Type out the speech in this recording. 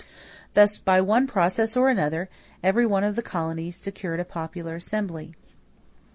Thus by one process or another every one of the colonies secured a popular assembly.